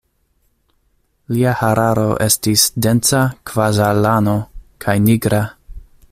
Lia hararo estis densa kvazaŭ lano, kaj nigra.